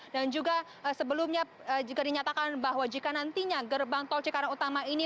dan juga sebelumnya juga dinyatakan bahwa jika nantinya gerbang tol cikarang utama ini